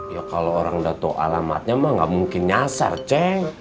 ya kalau orang udah tahu alamatnya mah gak mungkin nyasar ceng